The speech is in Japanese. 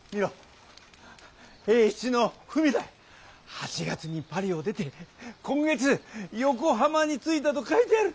８月にパリを出て今月横浜に着いたと書いてある！